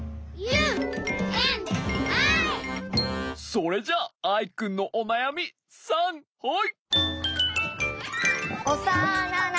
それじゃあアイくんのおなやみさんはい！